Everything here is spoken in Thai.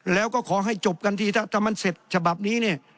แล้วก็ขอให้จบกันทีถ้ามันเสร็จฉบับนี้เนี่ย